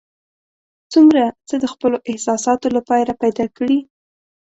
څومره څه د خپلو احساساتو لپاره پیدا کړي.